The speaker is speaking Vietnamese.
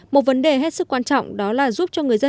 một vấn đề hết sức quan trọng đó là giúp cho người dân